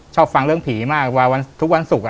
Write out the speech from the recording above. ชอบฟังเรื่องผีมากว่าทุกวันศุกร์อ่ะ